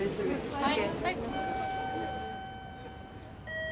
はい！